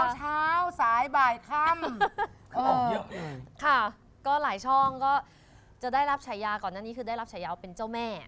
เช้าสายบ่ายค่ำค่ะก็หลายช่องก็จะได้รับฉายาก่อนหน้านี้คือได้รับฉายาวเป็นเจ้าแม่